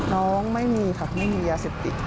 น้องไม่มีค่ะไม่มียาเสพติด